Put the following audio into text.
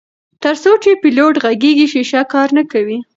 تر څو چې پیلوټ غږیږي شیشه کار نه کوي.